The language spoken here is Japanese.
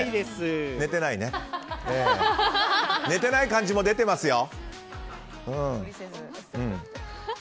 寝てない感じも出てますよ。